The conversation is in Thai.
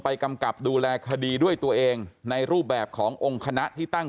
กำกับดูแลคดีด้วยตัวเองในรูปแบบขององค์คณะที่ตั้ง